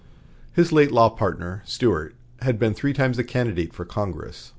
His late law partner, Stuart, had been three times a candidate for Congress.